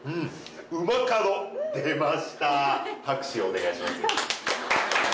出ました拍手をお願いします。